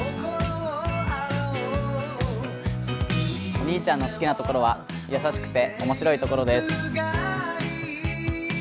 お兄ちゃんの好きなところは優しくて面白いところです。